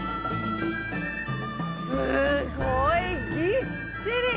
すごいぎっしり！